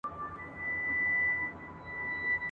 د نن سبا په هیله ..